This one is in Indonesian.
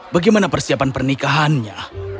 bagaimana persiapan pernikahannya